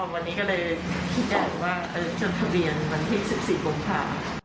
แต่ก็วันนี้ก็เลยคิดแบบว่าจดทะเบียนวันที่๑๔ปุ่มค่ะ